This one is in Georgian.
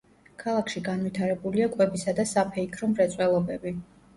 ქალაქში განვითარებულია კვებისა და საფეიქრო მრეწველობები.